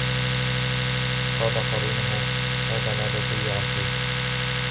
وقال قرينه هذا ما لدي عتيد